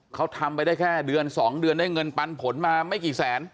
เขาทำไปได้แค่เดือน๒เดือนได้เงินปันผลมาไม่กี่แสน